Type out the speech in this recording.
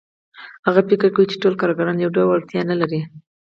هغه فکر کوي چې ټول کارګران یو ډول وړتیاوې نه لري